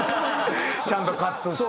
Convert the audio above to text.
ちゃんとカットして。